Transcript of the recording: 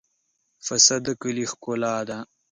پسه د کلي ښکلا ده.